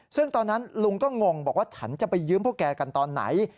ซึ่งตอนนั้นลุงก็งงบอกว่าฉันจะไปยืมพวกแกกันตอนไหน